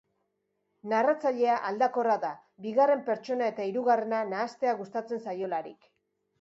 Narratzailea aldakorra da, bigarren pertsona eta hirugarrena nahastea gustatzen zaiolarik.